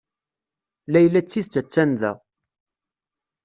Layla d tidet a-tt-an da.